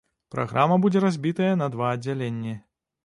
Праграма будзе разбітая на два аддзяленні.